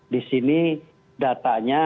di sini datanya